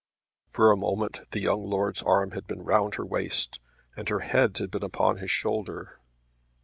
For a moment the young lord's arm had been round her waist and her head had been upon his shoulder.